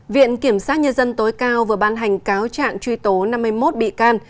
viện kiểm sát nhân dân tối cao vừa ban hành cáo trạng truy tố năm mươi một bị can